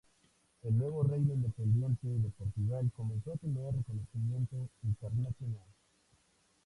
El nuevo reino independiente de Portugal comenzó a tener reconocimiento internacional.